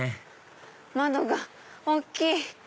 窓が大きい！